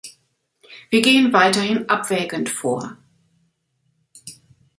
Wir gehen weiterhin abwägend vor.